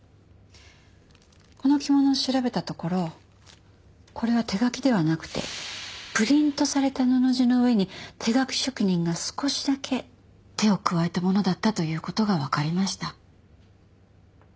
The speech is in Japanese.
この着物を調べたところこれは手描きではなくてプリントされた布地の上に手描き職人が少しだけ手を加えたものだったという事がわかりました。